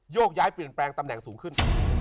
กย้ายเปลี่ยนแปลงตำแหน่งสูงขึ้น